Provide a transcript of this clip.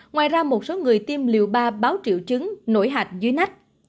ngoài ra một số người tiêm liều ba báo triệu chứng nổi hạch dưới nách